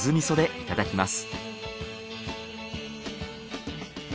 いただきます。